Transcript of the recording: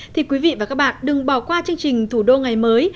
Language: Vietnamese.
thì quý vị và các bạn đừng bỏ qua chương trình thủ đô ngày mới